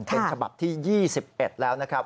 เป็นฉบับที่๒๑แล้วนะครับ